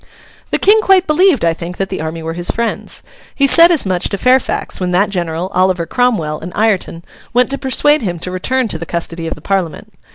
The King quite believed, I think, that the army were his friends. He said as much to Fairfax when that general, Oliver Cromwell, and Ireton, went to persuade him to return to the custody of the Parliament.